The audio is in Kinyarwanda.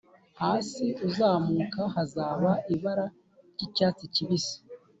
Hasi uzamuka habanza ibara ry’icyatsi kibisi,